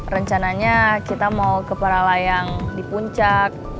rencananya kita mau ke para layang di puncak